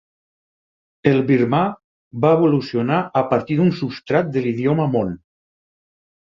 El birmà va evolucionar a partir d'un substrat de l'idioma mon.